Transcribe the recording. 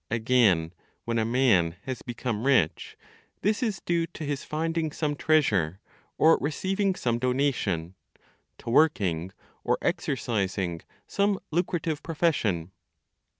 Again, when a man has become rich, this is due to his finding some treasure, or receiving some donation, to working, or exercising some lucrative profession.